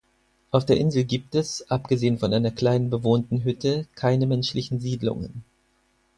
Auf der Insel gibt es, abgesehen von einer kleinen, bewohnten Hütte, keine menschlichen Siedlungen.